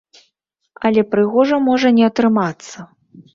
Але прыгожа можа не атрымацца.